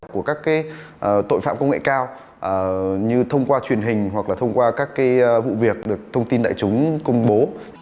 của các tội phạm công nghệ cao như thông qua truyền hình hoặc là thông qua các vụ việc được thông tin đại chúng công bố